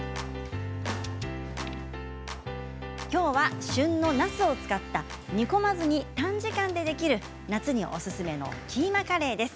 きょうは旬のなすを使った煮込まずに短時間でできる夏におすすめのキーマカレーです。